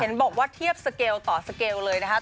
เห็นบอกว่าเทียบสเกลต่อสเกลเลยนะคะ